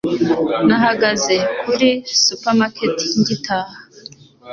Nahagaze kuri supermarket ngitaha.